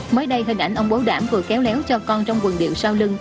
mới đây hình ảnh ông bố đảm vừa kéo léo cho con trong quần điệu sao lưng